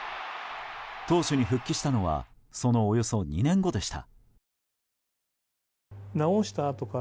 投手に復帰したのはそのおよそ２年後でした。